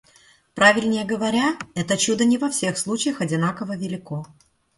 Правильнее говоря, это чудо не во всех случаях одинаково велико.